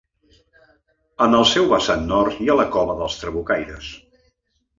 En el seu vessant nord hi ha la Cova dels Trabucaires.